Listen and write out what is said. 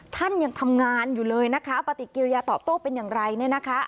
ท่านยังทำงานอยู่เลยนะคะปฏิกิริยาตอบโต้เป็นอย่างไรเนี่ยนะคะ